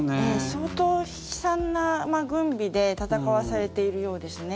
相当、悲惨な軍備で戦わされているようですね。